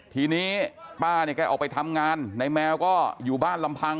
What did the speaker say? ทีนี้ป้าเนี่ยแกออกไปทำงานในแมวก็อยู่บ้านลำพัง